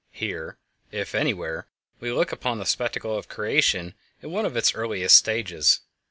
Here, if anywhere, we look upon the spectacle of creation in one of its earliest stages.